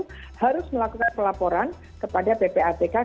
bagaimana ojk meyakinkan bahwa para bank bank itu para penyedia jasa keuangan itu